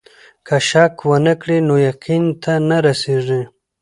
که شک ونه کړې نو يقين ته نه رسېږې.